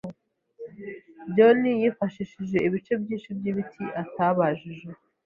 John yifashishije ibice byinshi by'ibiti atabajije.